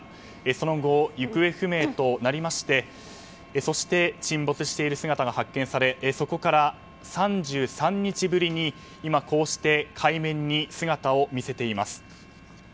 その後、行方不明となりまして沈没している姿が発見され、そこから３３日ぶりに今こうして海面に姿を見せています。